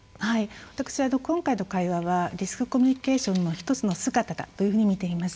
私、今回の対話はリスクコミュニケーションの１つの姿だと思っています。